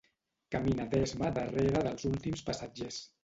Camina d'esma darrere dels últims passatgers.